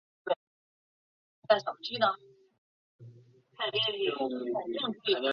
切开的边缘形状可以分为锯齿形和扶手椅形。